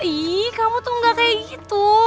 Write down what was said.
ih kamu tuh gak kayak gitu